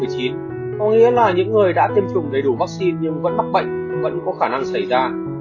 có nghĩa là những người đã tiêm chủng đầy đủ vaccine nhưng vẫn mắc bệnh vẫn có khả năng xảy ra